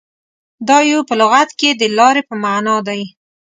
• دایو په لغت کې د لارې په معنیٰ دی.